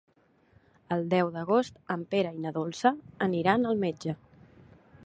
El deu d'agost en Pere i na Dolça aniran al metge.